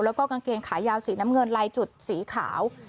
แล้วก็กางเกงขายาวสีน้ำเงินลายจุดสีขาว